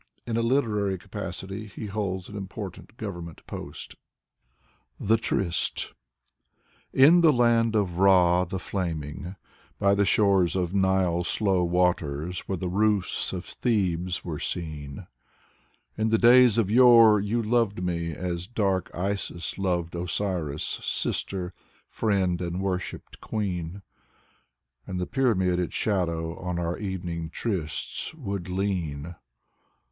In a iiterary capac ity he holds an impoitanC Government post. 82 Valery Brusov THE TRYST ^ In the land of Ra the flaming, by the shores of Nile's slow waters, where the roofs of Thebes were seen, In the days of yore you loved me, as dark Isis loved Osiris, sister, friend and worshiped queen! And the pyramid its shadow on our evening trysts would lean.